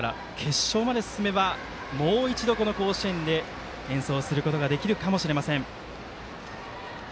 あさって行われますから決勝まで進めばもう一度、甲子園で演奏することができるかもしれません。